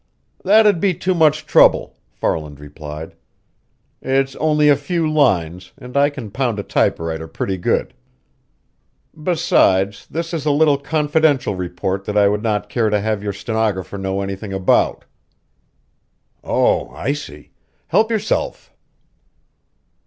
"That'd be too much trouble," Farland replied. "It's only a few lines, and I can pound a typewriter pretty good. Besides, this is a little confidential report that I would not care to have your stenographer know anything about." "Oh, I see! Help yourself!"